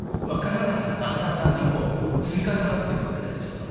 分からなさがだんだんだんだん積み重なっていくわけですよ